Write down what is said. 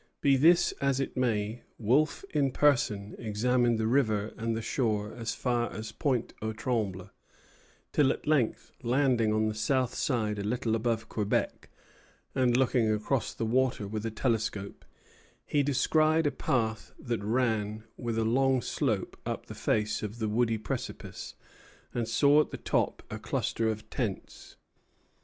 Be this as it may, Wolfe in person examined the river and the shores as far as Pointe aux Trembles; till at length, landing on the south side a little above Quebec, and looking across the water with a telescope, he descried a path that ran with a long slope up the face of the woody precipice, and saw at the top a cluster of tents.